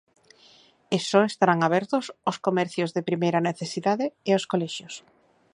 E só estarán abertos os comercios de primeira necesidade e os colexios.